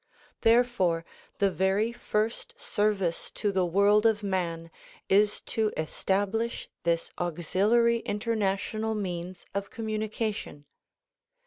Therefore the very first service to the world of man is to establish this auxiliary international means of communication.